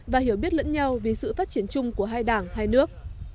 và hiểu biết lẫn nhau vì sự phát triển chung của hai đảng hai nước